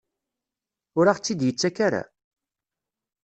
Ur aɣ-tt-id-yettak ara?